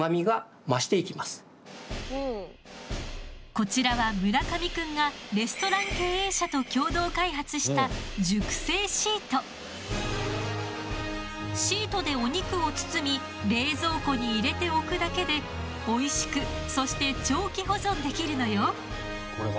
こちらは村上くんがレストラン経営者と共同開発したシートでお肉を包み冷蔵庫に入れておくだけでおいしくそして長期保存できるのよ。